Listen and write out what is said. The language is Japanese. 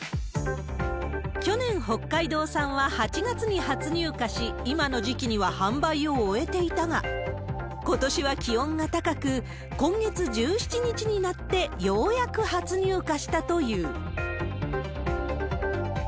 去年、北海道産は８月に初入荷し、今の時期には販売を終えていたが、ことしは気温が高く、今月１７日になって、ようやく初入荷したという。